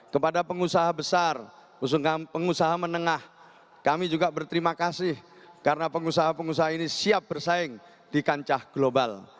kepada pengusaha besar pengusaha menengah kami juga berterima kasih karena pengusaha pengusaha ini siap bersaing di kancah global